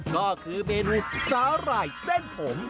ก็คือเมนูสาหร่ายเส้นผม